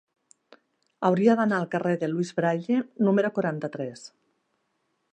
Hauria d'anar al carrer de Louis Braille número quaranta-tres.